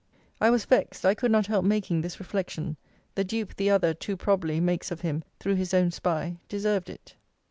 I was vexed. I could not help making this reflection. The dupe the other, too probably, makes of him, through his own spy, deserved it.